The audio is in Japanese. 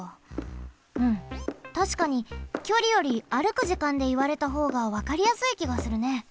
うんたしかにきょりより歩く時間でいわれたほうがわかりやすいきがするね。